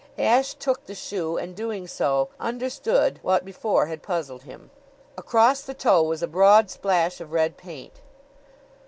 Ashe took the shoe and, doing so, understood what before had puzzled him. Across the toe was a broad splash of red paint.